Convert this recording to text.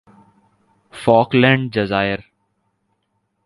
Falkland جزائر